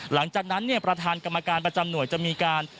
หลังจากนั้นเนี่ยประธานกรรมการประจำหน่วยจะมีการ